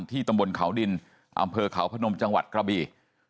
ตำบลเขาดินอำเภอเขาพนมจังหวัดกระบี